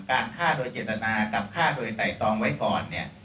การลั้นน่าการค้าโดยเจตนากับค่าโดยไตรตองไว้ก่อน